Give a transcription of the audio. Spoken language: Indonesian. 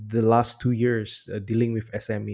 dalam pertanggung jawab sme